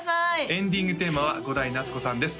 エンディングテーマは伍代夏子さんです